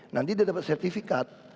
nanti dia dapat sertifikat